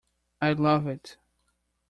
I'd love it.